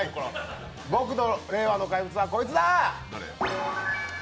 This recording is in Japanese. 僕の令和の怪物はこいつだ！